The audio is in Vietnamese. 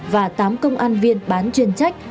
và tám công an viên bán chuyên trách